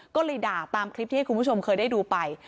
ก็เลยด่าตามคลิปที่ให้คุณผู้ชมเคยได้ดูไป